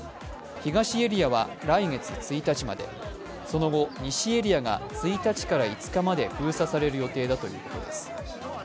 東エリアは来月１日まで、その後、西エリアが１日から５日まで封鎖される予定だということです。